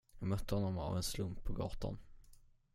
Jag mötte honom av en slump på gatan.